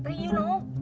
menteri you know